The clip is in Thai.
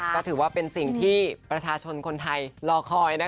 ก็ถือว่าเป็นสิ่งที่ประชาชนคนไทยรอคอย